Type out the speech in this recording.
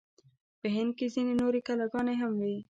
په هند کې ځینې نورې کلاګانې هم وې.